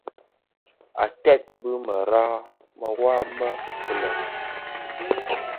Ated bi mewaa më kiloň,